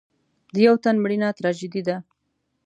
د یو تن مړینه تراژیدي ده.